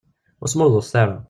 Ur smurḍuset ara.